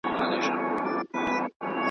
هم هغه زما کعبه ده